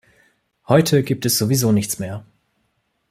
Heute gibt es sowieso nichts mehr.